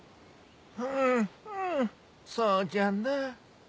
うんうんそうじゃな。